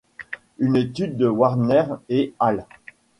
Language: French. Une étude de Winer et al.